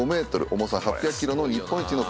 重さ８００ｋｇの日本一の熊手。